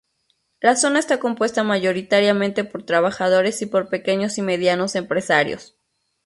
La zona está compuesta mayoritariamente por trabajadores y por pequeños y medianos empresarios.